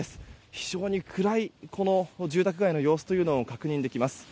非常に暗いこの住宅街の様子というのを確認できます。